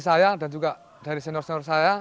saya dan juga dari senior senior saya